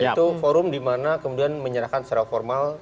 itu forum di mana kemudian menyerahkan secara formal